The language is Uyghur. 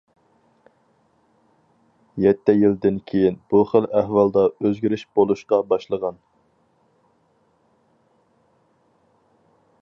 يەتتە يىلدىن كېيىن بۇ خىل ئەھۋالدا ئۆزگىرىش بولۇشقا باشلىغان.